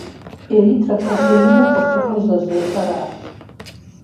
Эритропоетиныр къыщыхъур жьэжьейхэращ.